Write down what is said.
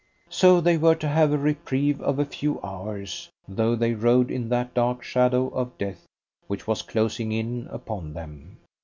So they were to have a reprieve of a few hours, though they rode in that dark shadow of death which was closing in upon them.